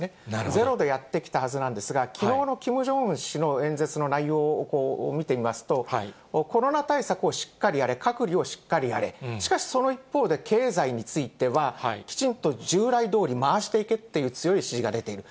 ゼロでやってきたはずなんですが、きのうのキム・ジョンウン氏の演説の内容を見てみますと、コロナ対策をしっかりやれ、隔離をしっかりやれ、しかしその一方で、経済についてはきちんと従来どおり回していくっていう強い指示が出ている。